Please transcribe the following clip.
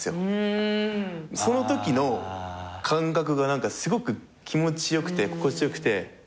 そのときの感覚が何かすごく気持ちよくて心地よくて。